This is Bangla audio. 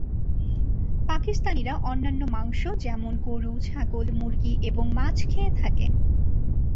পাকিস্তানিরা অন্যান্য মাংস যেমন গরু, ছাগল, মুরগী এবং মাছ খেয়ে থাকে।